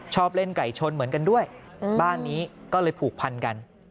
ชอบเล่นไก่ชนเหมือนกันด้วยบ้านนี้ก็เลยผูกพันกัน